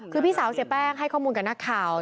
คือพี่สาวเสียแป้งให้ข้อมูลกับนักข่าว